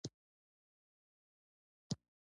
هغې باید خپل کور پاک کړی وای او ډوډۍ یې پخې کړي وای